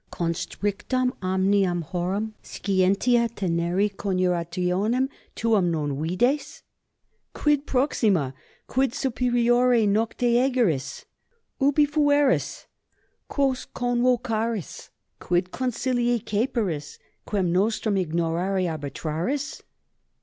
constrictam omnium horum scientia teneri coniurationem tuam non vides? Quid proxima, quid superiore nocte egeris, ubi fueris, quos convocaveris, quid consilii ceperis, quem nostrum ignorare arbitraris?